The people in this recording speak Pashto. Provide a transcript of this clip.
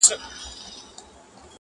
کورنۍ پټ عمل کوي د شرم,